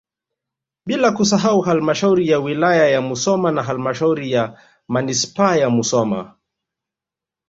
Bila kusahau halmashauri ya wilaya ya Musoma na halmashauri ya manispaa ya Musoma